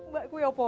mbak itu apa